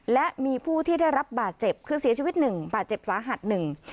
และมีผู้ที่ได้รับบาดเจ็บคือเสียชีวิตหนึ่งบาดเจ็บสาหัสหนึ่ง